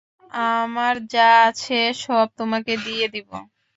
আমার যা আছে সব তোমাকে দিয়ে দিবো।